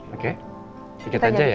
oke sedikit aja ya